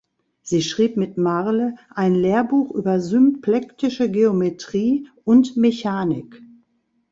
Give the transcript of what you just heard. Sie schrieb mit Marle ein Lehrbuch über symplektische Geometrie und Mechanik.